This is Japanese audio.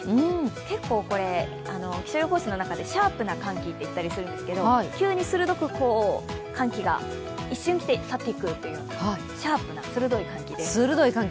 結構これ、気象予報士の中でシャープな寒気と言ったりするんですが、急に鋭く寒気が一瞬来てパッといくっていうようなシャープな鋭い寒気です。